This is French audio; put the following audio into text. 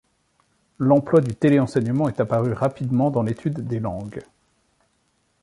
L'emploi du télé-enseignement est apparu rapidement dans l'étude des langues.